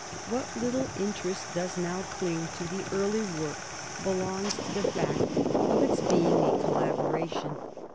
What little interest does now cling to the early work belongs to the fact of its being a collaboration.